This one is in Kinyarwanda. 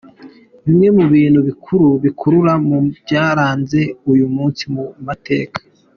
Bimwe mu bintu bikuru bikuru mu byaranze uyu munsi mu mateka .